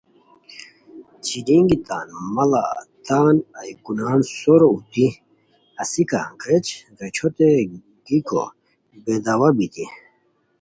چیلینگی تان ماڑہ تان ایوکونان سورو اُوتی اسیکہ غیچ غیچھوت گیکو بے داوا بیتی